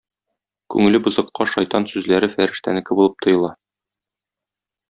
Күңеле бозыкка шайтан сүзләре фәрештәнеке булып тоела.